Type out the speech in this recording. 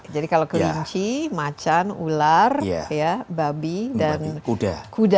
jadi kalau kelinci macan ular babi dan kuda